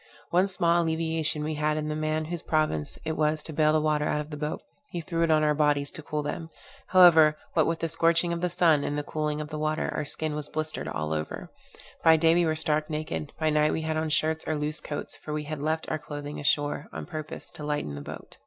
One small alleviation we had in the man whose province it was to bale the water out of the boat; he threw it on our bodies to cool them. However, what with the scorching of the sun and cooling of the water, our skin was blistered all over. By day we were stark naked; by night we had on shirts or loose coats; for we had left our clothing ashore, on purpose to lighten the boat.